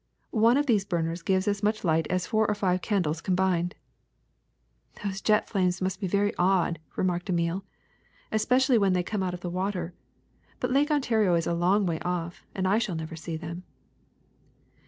One of these burners gives as much light as four or five candles com bined.'' "Those jets of flame must be very odd," remarked Emile, "especially when they come out of the water; but Lake Ontario is a long way off, and I shall never see them."